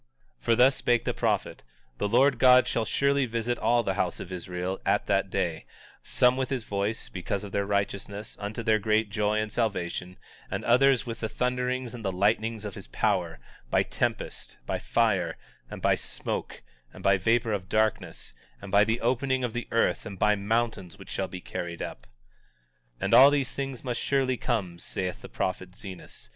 19:11 For thus spake the prophet: The Lord God surely shall visit all the house of Israel at that day, some with his voice, because of their righteousness, unto their great joy and salvation, and others with the thunderings and the lightnings of his power, by tempest, by fire, and by smoke, and vapor of darkness, and by the opening of the earth, and by mountains which shall be carried up. 19:12 And all these things must surely come, saith the prophet Zenos.